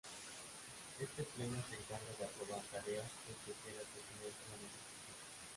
Este pleno se encarga de aprobar tareas y escoger al presidente de la institución.